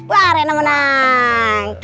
wah rena menang